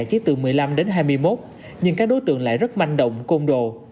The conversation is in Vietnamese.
chỉ từ một mươi năm đến hai mươi một nhưng các đối tượng lại rất manh động công độ